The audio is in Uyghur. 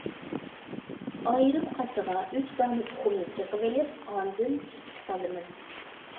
ئايرىم قاچىغا ئۈچ دانە تۇخۇمنى چېقىۋېلىپ، ئاندىن سۈتكە سالىمىز.